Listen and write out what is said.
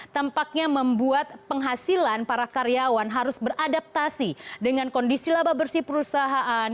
tampaknya membuat penghasilan para karyawan harus beradaptasi dengan kondisi laba bersih perusahaan